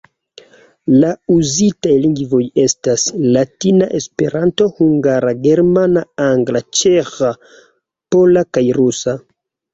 La uzitaj lingvoj estas: latina, Esperanto, hungara, germana, angla, ĉeĥa, pola kaj rusa.